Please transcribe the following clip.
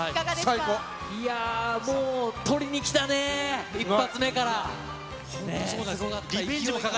いやー、もうとりにきたね、一発目から。